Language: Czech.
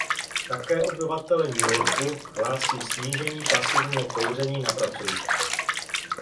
A také obyvatelé New Yorku hlásí snížení pasivního kouření na pracovištích.